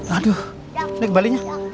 aduh ini kebali nya